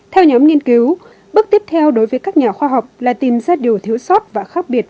theo nhóm nghiên cứu bước tiếp theo đối với các nhà khoa học là tìm ra điều thiếu sót và khác biệt